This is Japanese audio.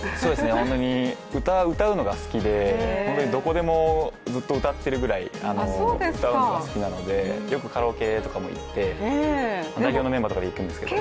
本当に歌を歌うのが好きで、どこでもずっと歌ってるぐらい歌うのが好きなのでよくカラオケとかもいって、代表のメンバーとかで行くんですけど。